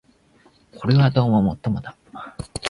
これはどうも尤もだ